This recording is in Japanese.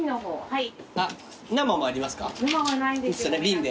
はい。